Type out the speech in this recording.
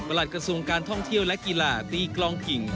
หลักกระทรวงการท่องเที่ยวและกีฬาตีกลองกิ่ง